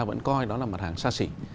vẫn coi đó là mặt hàng xa xỉ